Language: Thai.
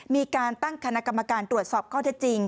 มีการตั้งคณะกรรมการตรวจสอบข้อเท็จจริง